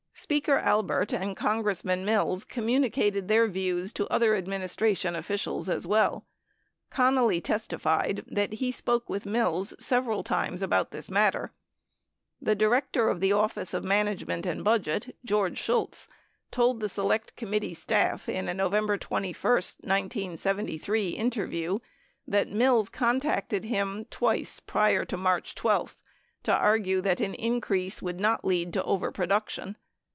Speaker Albert and Congressman Mills communicated their views to other administration officials, as well. Connally testified that he spoke with Mills several times about this matter. 15 The Director of the Office of Management and Budget, George Shultz, told the Select Committee staff in a November 21, 1973, interview that Mills contacted him twice prior to March 12 to argue that an increase would not lead to overproduction.